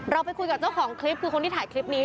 ไปคุยกับเจ้าของคลิปคือคนที่ถ่ายคลิปนี้